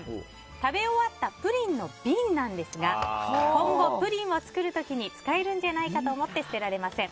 食べ終わったプリンの瓶ですが今後、プリンを作る時に使えるんじゃないかと思って捨てられません。